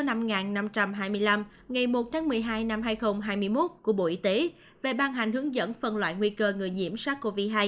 ngày một tháng một mươi hai năm hai nghìn hai mươi một của bộ y tế về ban hành hướng dẫn phân loại nguy cơ người nhiễm sars cov hai